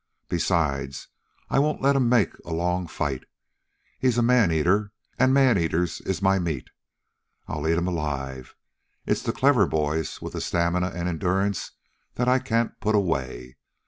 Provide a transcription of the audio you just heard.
Besides, I won't let 'm make a long fight. He's a man eater, an' man eaters is my meat. I eat 'm alive. It's the clever boys with the stamina an' endurance that I can't put away.